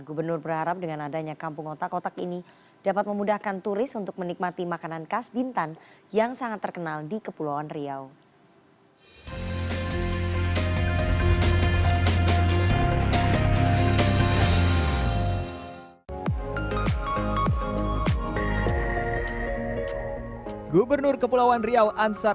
gubernur berharap dengan adanya kampung otak otak ini dapat memudahkan turis untuk menikmati makanan khas bintan yang sangat terkenal di kepulauan riau